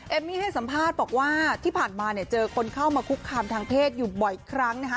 มี่ให้สัมภาษณ์บอกว่าที่ผ่านมาเนี่ยเจอคนเข้ามาคุกคามทางเพศอยู่บ่อยครั้งนะคะ